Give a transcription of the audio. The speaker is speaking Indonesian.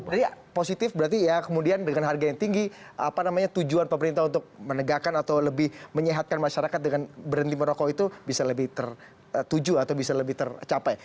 berarti positif berarti ya kemudian dengan harga yang tinggi apa namanya tujuan pemerintah untuk menegakkan atau lebih menyehatkan masyarakat dengan berhenti merokok itu bisa lebih tertuju atau bisa lebih tercapai